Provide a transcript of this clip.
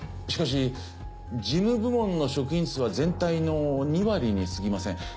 しかし事務部門の職員数は全体の２割にすぎません。